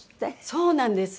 そうなんです。